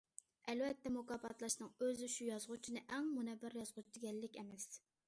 ئەلۋەتتە، مۇكاپاتلاشنىڭ ئۆزى شۇ يازغۇچىنى ئەڭ مۇنەۋۋەر يازغۇچى دېگەنلىك ئەمەس.